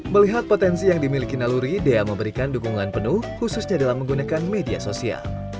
melihat potensi yang dimiliki naluri dea memberikan dukungan penuh khususnya dalam menggunakan media sosial